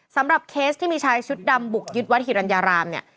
เคสที่มีชายชุดดำบุกยึดวัดหิรัญญารามเนี่ย